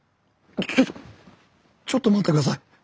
ちょちょちょっと待って下さい！